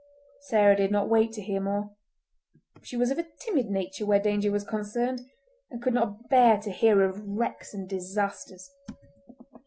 Sarah did not wait to hear more. She was of a timid nature where danger was concerned, and could not bear to hear of wrecks and disasters.